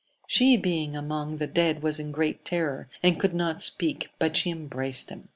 She being among the dead was in great terror, and could not speak, but she embraced him.